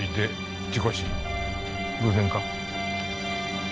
偶然か？